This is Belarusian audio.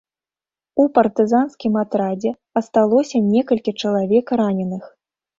У партызанскім атрадзе асталося некалькі чалавек раненых.